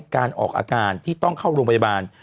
การออกอาการที่ต้องเข้าโรงพยาบาล